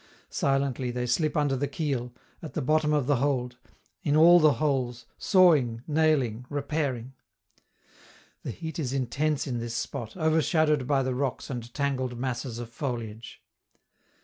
Silently they slip under the keel, at the bottom of the hold, in all the holes, sawing, nailing, repairing. The heat is intense in this spot, overshadowed by the rocks and tangled masses of foliage.